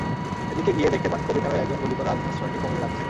এগিয়ে গিয়ে দেখতে পান কবির নামের একজন গুলি করা আগ্নেয়াস্ত্রটি কোমরে রাখছেন।